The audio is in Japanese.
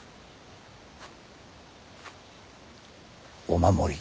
お守り。